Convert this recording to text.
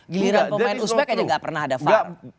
giliran pemain uzbek aja enggak pernah ada far